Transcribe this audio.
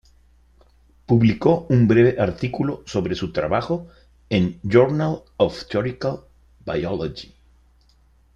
Publicó un breve artículo sobre su trabajo en Journal of Theoretical Biology.